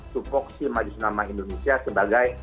supok si majlis ulama indonesia sebagai